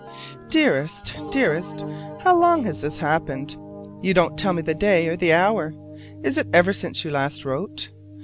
Dearest, Dearest: How long has this happened? You don't tell me the day or the hour. Is it ever since you last wrote?